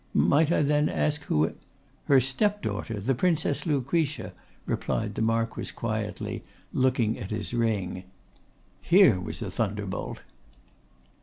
'Might I then ask who is ' 'Her step daughter, the Princess Lucretia,' replied the Marquess, quietly, and looking at his ring. Here was a thunderbolt!